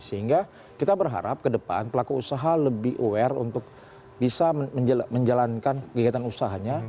sehingga kita berharap ke depan pelaku usaha lebih aware untuk bisa menjalankan kegiatan usahanya